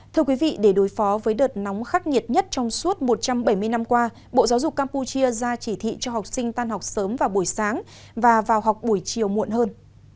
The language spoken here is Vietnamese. thưa quý vị để đối phó với đợt nóng khắc nghiệt nhất trong suốt một trăm bảy mươi năm qua bộ giáo dục campuchia ra chỉ thị cho học sinh tan học sớm vào buổi sáng và vào học buổi chiều muộn hơn